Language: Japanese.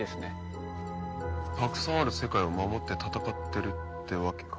たくさんある世界を守って戦ってるってわけか。